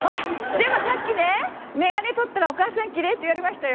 でもさっきね「眼鏡取ったらお母さん奇麗」って言われましたよ！